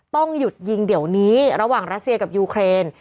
ต้องหยุดยิงเดี๋ยวนี้ระหว่างรัสเซียกับยูเครน